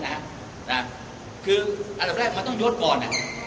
อันดับแรกต้องโยชน์ก่อน